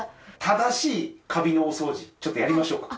正しいカビのお掃除ちょっとやりましょうか。